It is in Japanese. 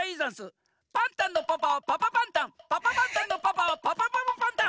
「パンタンのパパはパパパンタンパパパンタンのパパはパパパパパンタン」。